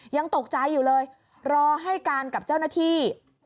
ยังตกใจอยู่เลยรอให้การกับเจ้าหน้าที่